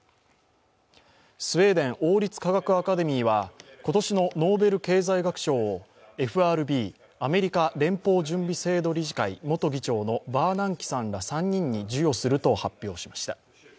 スウェーデン王立科学アカデミーは今年のノーベル経済学賞をＦＲＢ＝アメリカ連邦準備制度理事会元議長のバーナンキさんら３人に授与すると発表しました。